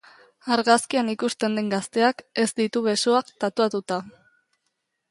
Argazkian ikusten den gazteak ez ditu besoak tatuatua.